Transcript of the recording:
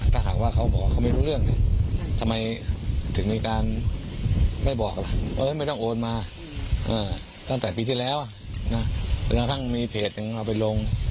ถึงมีการไม่บอกไม่ต้องโอนมาตั้งแต่ปีที่แล้วถึงกระทั่งมีเพจนึงเอาไปลง